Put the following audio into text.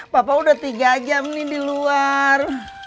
bapak sudah tiga jam di luar